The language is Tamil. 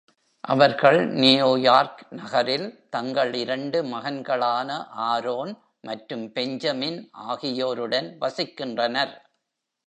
அவர்கள் நியூயார்க் நகரில் தங்கள் இரண்டு மகன்களான ஆரோன் மற்றும் பெஞ்சமின் ஆகியோருடன் வசிக்கின்றனர்.